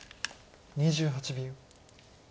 ２８秒。